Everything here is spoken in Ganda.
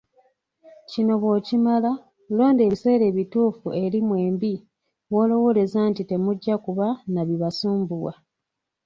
Kino bw’okimala londa ebiseera ebituufu eri mwembi, w’olowooleza nti temujja kuba na bibasumbuwa.